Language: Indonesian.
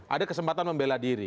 ada kesempatan membela diri